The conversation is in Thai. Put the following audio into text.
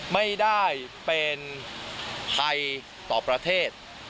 ไม่ได้เป็นภัยต่อประเทศ